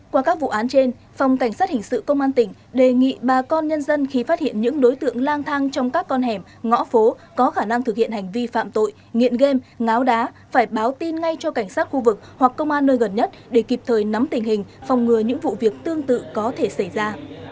qua các vụ án trên phòng cảnh sát hình sự công an tỉnh đề nghị bà con nhân dân khi phát hiện những đối tượng lang thang trong các con hẻm ngõ phố có khả năng thực hiện hành vi phạm tội nghiện game ngáo đá phải báo tin ngay cho cảnh sát khu vực hoặc công an nơi gần nhất để kịp thời nắm tình hình phòng ngừa những vụ việc tương tự có thể xảy ra